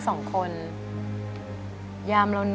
ร้องได้ให้ล้าน